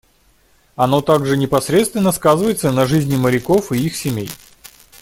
Оно также непосредственно сказывается на жизни моряков и их семей.